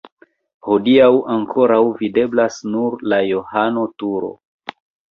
Hodiaŭ ankoraŭ videblas nur la Johano-turo.